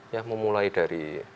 ya memulai dari